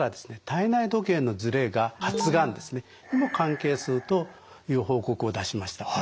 体内時計のズレが発がんにも関係するという報告を出しました。